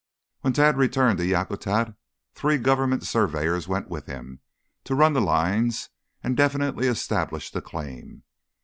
When Tad returned to Yakutat three government surveyors went with him to run the lines and definitely establish the claim.